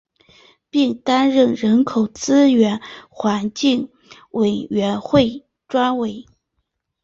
并担任人口资源环境委员会专委。